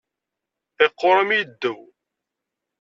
Iqquṛ am yiddew.